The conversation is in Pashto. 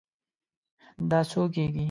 دا څو کیږي؟